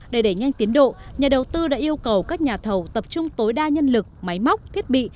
để đẩy nhanh tiến độ nhà đầu tư đã yêu cầu các nhà thầu tập trung tối đa nhân lực máy móc thiết bị